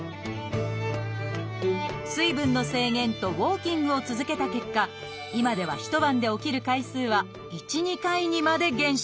水分の制限とウォーキングを続けた結果今では一晩で起きる回数は１２回にまで減少。